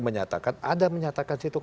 menyatakan ada menyatakan situ satu